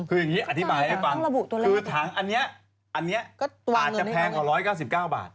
คืออย่างนี้อธิบายให้ฟังคือถังอันนี้อันนี้อาจจะแพงกว่า๑๙๙บาท